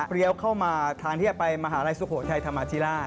เข้ามาทางที่จะไปมหาลัยสุโขทัยธรรมาธิราช